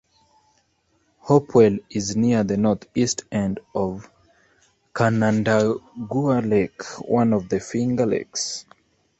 Hopewell is near the northeast end of Canandaigua Lake, one of the Finger Lakes.